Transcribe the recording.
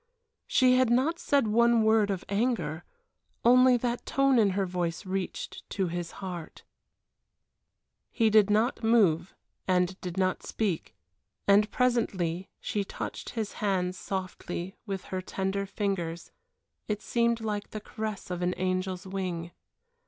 She had not said one word of anger only that tone in her voice reached to his heart. He did not move and did not speak, and presently she touched his hands softly with her slender fingers, it seemed like the caress of an angel's wing.